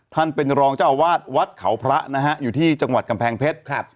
ท่านเป็นรองเจ้าอาวาสวัดเขาพระนะฮะอยู่ที่จังหวัดกำแพงเพชรครับ